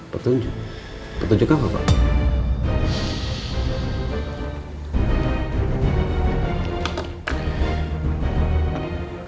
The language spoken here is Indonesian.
petunjuk petunjuk apa pak